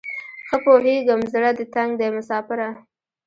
ښه پوهیږم زړه دې تنګ دی مساپره